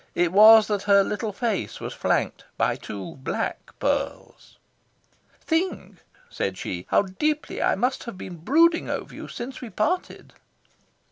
It was that her little face was flanked by two black pearls. "Think," said she, "how deeply I must have been brooding over you since we parted!"